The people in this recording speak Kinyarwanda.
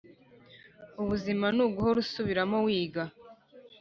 ubuzima nuguhora usubiramo wiga